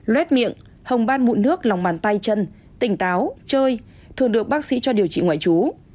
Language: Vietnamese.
luet miệng hồng ban mụn nước lòng bàn tay chân tỉnh táo chơi thường được bác sĩ cho điều trị ngoại trú